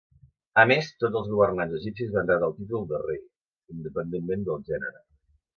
A més, tots els governants egipcis van rebre el títol de "rei", independentment del gènere.